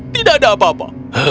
tidak ada apa apa